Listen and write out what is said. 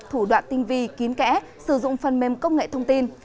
thủ đoạn tinh vi kín kẽ sử dụng phần mềm công nghệ thông tin